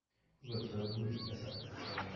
Überzeugung ist besser als Zwang.